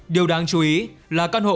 điều đáng chú ý là căn hộ vẫn